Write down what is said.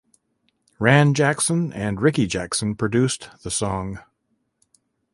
Ran Jackson and Ricky Jackson produced the song.